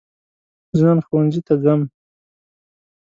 زه نن ښوونځي ته ځم.